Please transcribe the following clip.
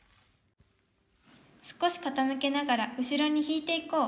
少しかたむけながら後ろに引いていこう。